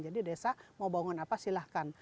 jadi desa mau bangun apa silahkan